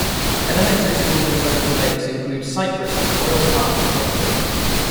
Elementary schools in Westwood Lakes include Cypress, Royal Palm, and Tropical.